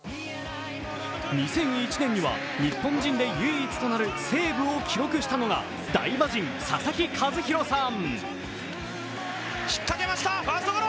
２００１年には日本人で唯一となるセーブを記録したのが大魔神・佐々木主浩さん。